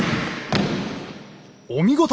お見事！